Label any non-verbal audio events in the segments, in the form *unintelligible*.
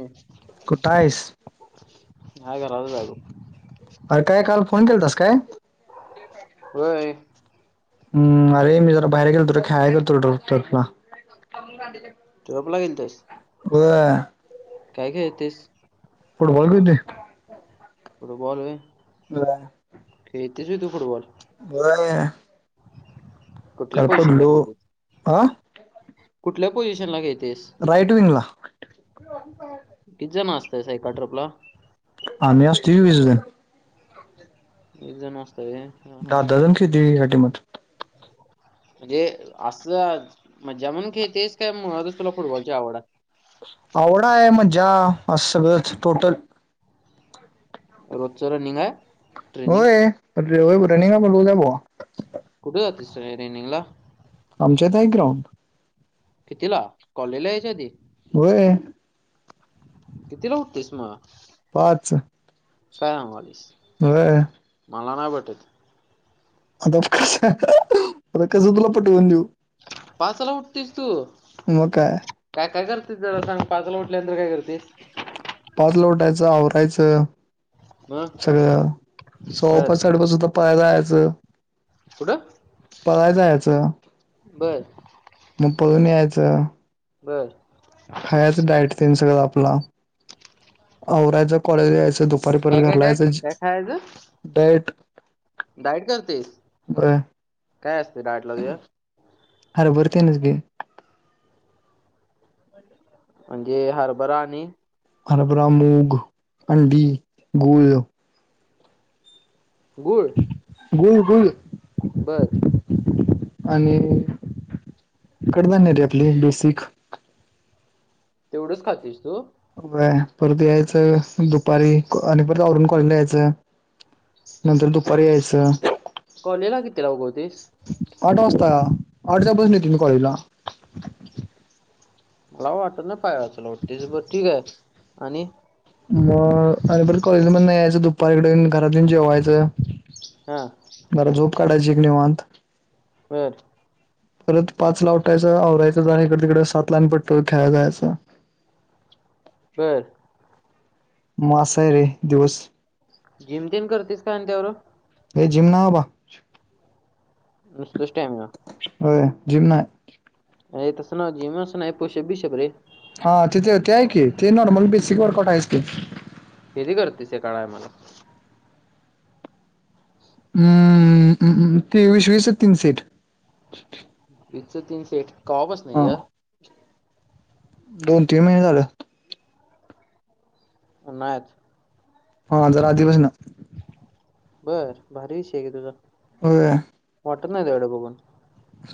हम् कुठं आहेस हाय घरातच हाय अजून अरे काय काल फोन ठेवलास काय होय हम् अरे मी जरा बाहेर गेलो रे खायाला गेलतो *inaudible* ला *unintelligible* जॉबला गेलतेस बर काय खेळतेस फुटबॉल खेळतोय फुटबॉल व्हय *inaudible* खेळतईस व्हय तू फुटबॉल होय कुठल्या काल पोझिशनला पडलो खेळतईस हा कुठल्या पोझिशन ला खेळतइस राईट विंगला *inaudible* किती जण असाइसा एका ट्रपला आम्ही असतोय की विसजन एक जण असतय व्हय दाहा-दहा जण खेळतय एका टिमत म्हणजे असच मज्जा म्हणून खेळतोईस काय मुळातच तुला फुटबॉलची आवडात हाय आवड हाय मज्जा अस सगळंच टोटल रोजच रनिंग हाय होय लेवल रनिंग हाय बोललोय भावा कुठ जातोईस तू रनिंगला आमच्या इथ हाय की ग्राउंड कितीला कॉलेजला यायच्या आधी होय कितीला उठतोईस मग पाच काय सांगालाईस होय मला नाही पटत आता कस तुला पटवून देऊ पाचला उठतीस तू? मग काय काय काय करतेस जरा सांग? पाचला उठल्यानंतर काय करतेस? पाच ल उठायचं आवरायचं मग सगळं. सव्वा बर पाच साडेपाच होतात. पळाय जायचं. कुठं पळायजायचं. बर मग पळून यायचं. बर. खायचं डाईट तेन सगळं आपला. आवरायचं कॉलेज यायचं दुप पारी परत काय काय काय घरलायचं. काय डायट डाईट करतेस? काय असते डायटला तुझ्या? हरभर तेन असते. अंडे हरभरा आणि हरभरा, मूग, अंडी, गुळ. गुळ? गूळ गुळ. बरं. आणि कडधान्य त्यातले बेसिक. तेवढंच खातेस तू? व्हय. परत यायचं दुपारी. आणि परत आवरुण कॉलेजला यायचं. नंतर दुपारी यायचं. कॉलेला किती ला उगवतेस? आठ वाजता. आठच्या बसने येतो मी कॉलेजला. मला वाटत ना पायाचालो तेच बर ठीके. आणि मग अर पर कॉलेज मधन यायचं दुपारीकड घरातन जेवायचं. हां पर झोप काढायची एक निवांत. बर. परत पाच ला उठायचं आवरायचं. जा इकड तिकड. सात ला आणि भटीव खेळा जायचं. बर. म आसय रे दिवस. जिम तेन करतेस का आणि त्यावर? हे जीम ना बा. सुुष्ट आहे म *inaudible* होय जिम नाय. ए तसं नव जिमच नाय. पुषब भिशब रे? हा तेिथे ते आहे की, ते नॉर्मल बेसिक वर्कट आहेस की. कीती करतेस? एका टायमला. अमममममम ते विस वीसच तीन सेट. वीसच तीन सेट हा कवापसनयर? दोन तीन महिने झाले. उन्हाळ्यात. हा जरा आधी व्हय ना. बर भारी विषय ग तुझा. होय. वाटत नाही तुयाकड बघून.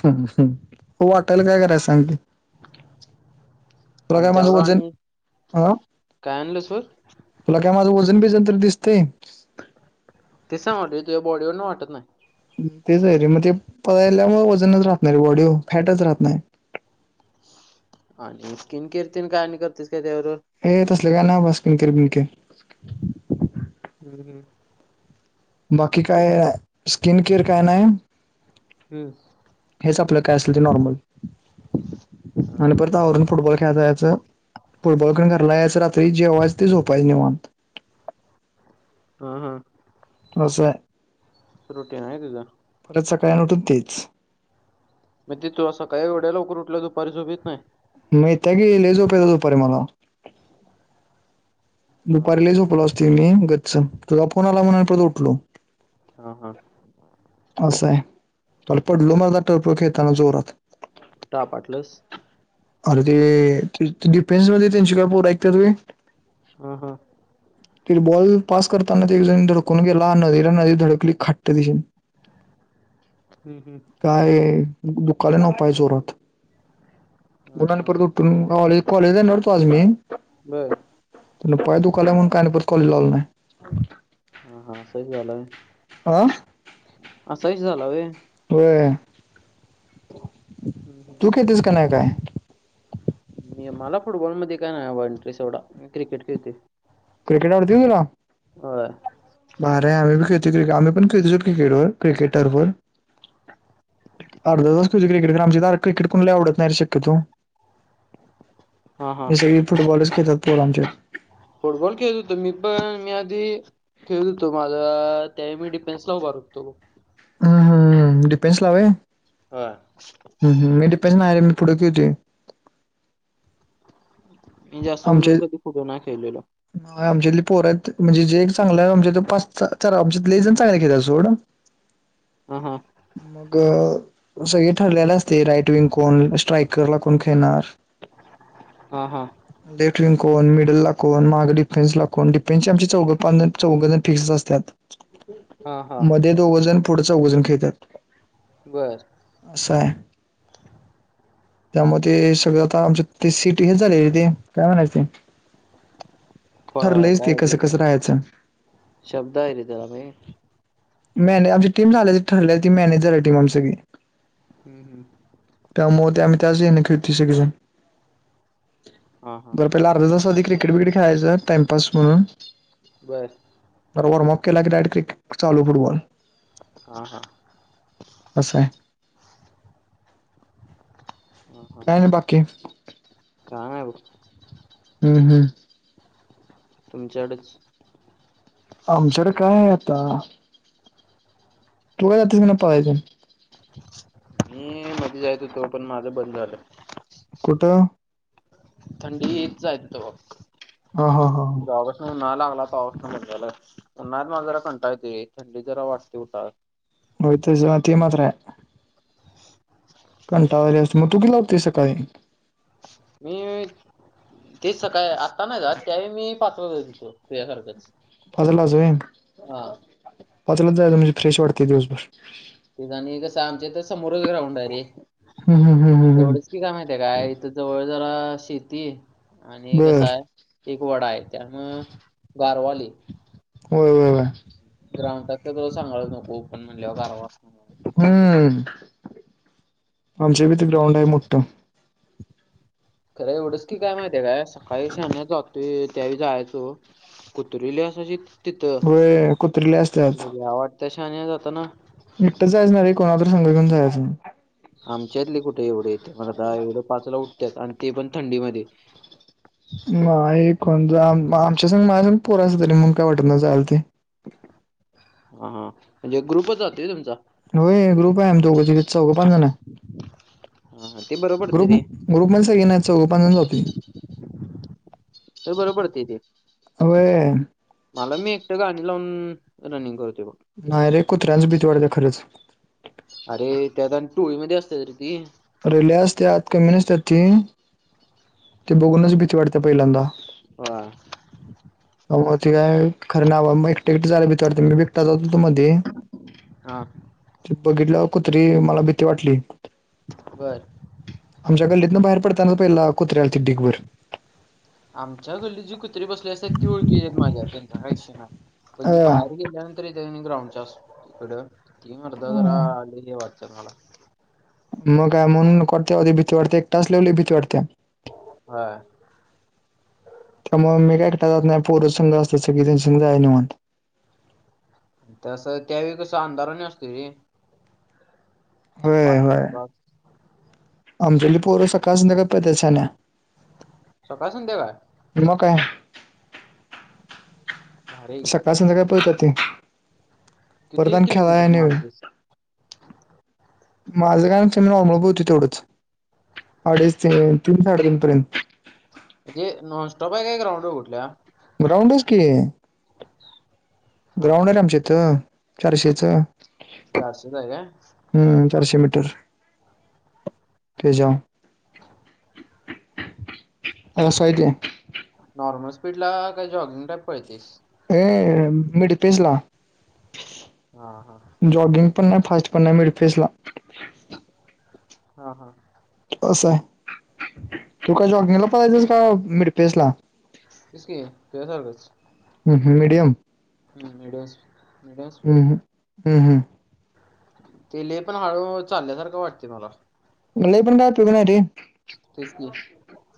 ह वाटाला काय कराय सांगते. आण काय माझं त्यावर वजन आणि हा काय आणलं व्हय? तुला काय माझं वजन बीजन तरी दिसतय. ते सांग वाटे तुझ्या बॉडीवर न वाटतं नाही. तेच आहे रे मग ते पयल्या म वजनच राहत नाही रे बॉडी हो फॅटच राहत नाही. आणि स्किन केअर तेन काय आणि करतेस काय त्या बरोबर. हे तसले काय ना बा स्किन केअर बीन केअर. हम्म हम्म. बाकी काय स्किन केअर काय नाय. हम्म. हेच आपलं काय असेल ते नॉर्मल हा आणि हा परत त्या वरून फुटबॉल खेळाय जायचं फुटबॉल खेळून घरला यायच रात्री जेवायचं ते झोपायं निवांत. हा हा. असं आहे. रुटीन आहे तुझा. परत सकाळ आन उठून तेच. मग ती तू अ सकाळी एवढ्या लवकर उठल्या दुपारी झोपीत नाही. माहीत्या गेलीज झोपायला दोपारी मला. हां, हां. दुपारीला लय झोपला असतील मी गच्च तुझा फोन आला म्हणून परत उठलो. हा हा. असं आहे काल पडलो मला टर्फ खेळताना जोरात. कुठं आपटलस? अरे ते ते डिफेन्स मध्ये त्यांचे काय पोरं ऐकत्यात वे. हा हा. तफिर बॉल पास करताना ते एक जणी धडकून गेला नदीला नदी धडकली खाट्ट दिशीन. हम्म हम्म. काय दुःखाला ना पाय जोरात. हां, *unintelligible* हां. परत उठून कॉलेज कॉलेज *unintelligible* मी. बरं. तुला पाय दुखालाय म्हणून काही ना परत कॉलेजला आलो नाय. हा हा असहीझालंय आ असहीच झालं वे. होय. हम्म तू हम्म. खेळतेस का नाही काय मी मला फुटबॉलमध्ये काय नाय वा इंटरेस्ट एवढा मी क्रिकेट खेळते. क्रिकेट आवडते तुला? होय. भारी आहे आम्ही बी खेळती क्रिकेट आम्ही पण खेळतो क्रिकेटवर क्रिकेटर बोल. अर्धा तास तुझं क्रिकेट तर आमची दरात क्रिकेट कुणाला आवडत नाही रे शक्यतो. हां हां सगळी फुटबॉलच खेळतात पोरं आमचे. फुटबॉल खेळत होतो मी पण मी आधी खेळत होतो माझा त्यावेळी मी डिफेन्सला उभार होतो. हम्म हम्म डिफेन्स ला वय. हा. मी डिफेन्स नाय रे मी पुढं खेळतोय. मी जास्त करून कधी फुटो ना खेळलेलो. आमच्यातले पोरं आहेत म्हणजे जे चांगलं आहे आमच्या पाच चा चार आमच्यातले लय जण चांगले खेळत सोडन. ह ह. मग अ सगळे ठरलेले असते. राईट विंग कोण स्ट्राईकरला कोण खेळणार. हा हा. डेट विंग कोण, मिडल ला कोण, माग डिफेन्सला कोण, डिफेन्सची आमची चौगं पाचजण चौग फिक्स असतात. हा हा मध्ये दोघ जण पुढे चौघजण खेळतात. बर असं आहे. त्यामध्ये सगळे आता आमच्या ते सिट हे झालय रे, ते काय म्हणायच ते. प- ठरलंयच ते काय कसं तरी कसं श- राहायचं. शब्द आहे रे त्याला भाई मॅने आमची टीम झाल्या ती ठरले ती मॅनेज झाल्या टीम आमची सगळी हम्म हम्म. त्यामूळ ते आम्ही त्याच हेन खेळतोय आम्ही सगळीजण. हा हा बर. पहिला अर्धा तास आधी क्रिकेट विकेट खेळायचं टाइमपास म्हणून, बरं. बर, वॉर्मप केला की डायरेक्ट क्रीक चालू फुटबॉल. हा हा. अस आहे. ह ह. काय नाही बाकी काय नाही. बघ. हम् हम्. तुमच्याकडच. आमच्याकड काय आहे आता. तू काय जातस काय नाही पळायला तेन? मी मध्ये जाइत होतो, पण माझं बंद झालं. कुठं? थंडीच जाइत होतो बघ. ह हा हा. तव्हापासून उन्हाला लागला. तव्हापासन म्हणजला उन्हाळ्यात मला जरा कंटाळा येतय. थंडी जरा वाटते उठाव. होय जातो ते मात्र आहे. *unintelligible* कंटाळवाणी असते. मग तु कितीला उठतेस सकाळी? मी. तेच सकाळी. आत्ता नाही जात. त्यावेळी मी पाचलाच जात होतो तुझ्यासारखच. पाचला जाऊयात. पाचलाच जायाच म्हणजे फ्रेश वाटते दिवसभर. ते आणि कसं आमच्या इथ समोरच ग्राउंड आहे रे, हम्म हम्म हम्म हम्म हम्म. एवढच काय माहिती आहे. काय इथ जवळ जरा शेती आणि बर कसं आहे. एक वडा आहे. त्यामुळं गारवा लई. होय होय होय. ग्राउंडात तर तो सांगायालाच नको ओपन म्हंटल्यावर गारवा असणार. हम्म, आमच्या इथ भी ग्राउंड आहे मोठ. खरं, एवढंच की काय माहिती आहे काय, सकाळी शान्या जातोय त्यावेळी जायचो. कुत्री लई असायचित तिथं, होय कुत्रीले असतात लई भ्या वाटत्या शान्या जाताना. एकटंच जायच नाही रे, कोणाला तर संघ घेऊन जायचं. आमच्यातले कुठे एवढे येतय मर्दा आता एवढं पाचला उठतात आणि ते पण थंडीमध्ये. नाही. कोणत आमच्या संग माझ्यासंग पोर असत्यात रे म्हणून काय वाटत नाही. जायला तेन. हा हा. म्हणजे ग्रुपच जातोय होय. तुमचा? होय ग्रुप आहे आम्ही दोघ, तिघ, चौघं, पाच जण आहे हा हा ते बरं पडतंय ग्रुप रे ग्रुप मधली सगळे नाही चवघ पाचजण जातोय आम्ही तर बर पडतय ते होय मला मी एकटं गाणी लावून रनिंग करतोय बघ नाही रे कुत्र्यांची भीती वाढत्या खरंच अरे त्यात आणि टोळीमध्ये असत्यात रे ती अरे लई असत्यात कमी नसत्यात ती ते बघूनच भीती वाटत्या पहिल्यांदा ह मग ते काय खरं नाही बाबा मग एकटे, एकट जायला भीती वाटत्या मी बी एकटा जात होतो मधी हा ते बघितल्या वर कुत्री मला भीती वाटली बर आमच्या गल्लीतनं बाहेर पडताना पहिला कुत्री आलती ढीगभर आमच्या गल्लीत जी कुत्रे बसलेली असतात ती ओळखीेची आहेत माझ्या त्यांचा काय विषय नाही पण जी बाहेर गेल्यांनंत येत्यात कणी ग्राउंडच्या पुढं ती मर्दा जरा अ लई ही वाटत्यात मला मग काय म्हणून नको वाटतं बाबा एकट असल्या वर लई भीती वाटत्या होय त्यामुळे मी काय एकटा जात नाही पोरसंघ असत्यात सगळीजन त्यांच्या संग जायाच निवांत तसं त्यावेळी कसं अंधारा आणि असतोय रे पहाटे पाच आमच्याइथली पोरं सकाळ, संध्याकाळ पळत्यात शान्या सकाळ, संध्याकाळ मग काय भारी आहे की. सकाळ, संध्याकाळ पळत्यात ती परत किती आणि खेळाय किलोमीटर आणि वे मारतेस माझं काय आमच्या मामा *unintelligible* तेवढंच अडीच तीन, तीन साडेतीन पर्यंत म्हणजे नॉनस्टॉप आहे काय ग्राउंडवर कुठल्या ग्राउंडच की हा ग्राउंड हा आहे आमच्या इथं चारशेच चारशेच आहे काय? हम्म हा चारशे हा मीटर ते ज्यावर असं आहे नॉर्मल स्पीड ला काय जॉगिंग टाईप पळतेस ए मिडपेसला हा हा जॉगिंग पण नाही फास्ट नाही मिडफेसला हा, हा असं आहे तू काय जॉगिंगला पळायचंस का मिडपेस ला तेच की तुझ्या सारखच हम्म म मिडियम हम् मिडीयम हम्म ह, ह, ह ते लई पण हळू चालल्यासारखं वाटतय मला लई पण काय उपयोग नाही रे तेच की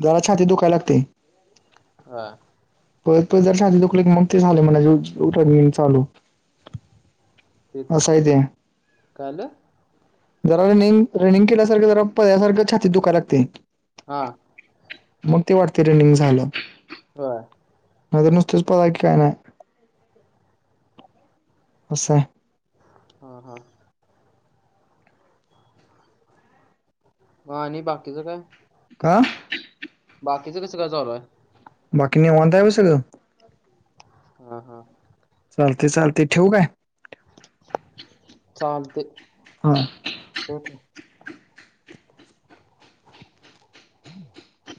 जरा छातीत दुकाय लागतय हा परत तुझ्या छातीत दुखल की म झाल ते म्हणयाच उठाठेवी चालू तेच असय ते काय आलं जरा रनिंग रनिंग केल्यासारखं जरा पळ्यालसारखं छाती दुखायला लागतय. हा मग ते वाटते रनिंग झालं. होय. नायत नुसतच पाळायला काय नाय असय हा हा म आणि बाकीचं काय? का बाकीचं कसं काय चालू हाय बाकी निवांत हाय बघ संगळ हा हा चालतय चालतय ठेवू काय? चालतय हा ठेव ठेव *inaudible*